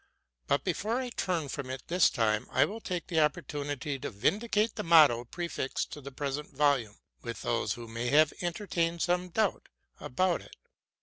But, before I turn from it this time, I will take the opportunity to vindicate the motto prefixed to the present volume with those who may have entertained some doubt about it.